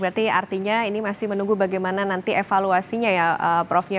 berarti artinya ini masih menunggu bagaimana nanti evaluasinya ya prof ya